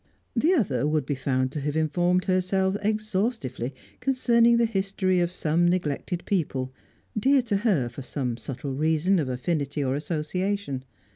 The other would be found to have informed herself exhaustively concerning the history of some neglected people, dear to her for some subtle reason of affinity or association.